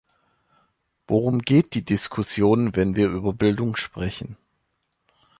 Worum geht die Diskussion, wenn wir über Bildung sprechen?